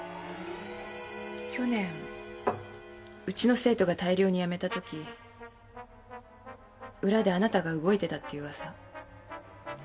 去年うちの生徒が大量に辞めたとき裏であなたが動いてたっていう噂ホント？